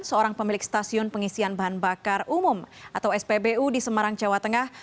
seorang pemilik stasiun pengisian bahan bakar umum atau spbu di semarang jawa tengah